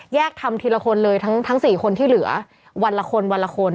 ทำทีละคนเลยทั้ง๔คนที่เหลือวันละคนวันละคน